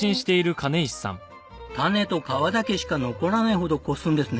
種と皮だけしか残らないほどこすんですね。